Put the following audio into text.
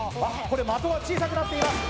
これは的は小さくなっています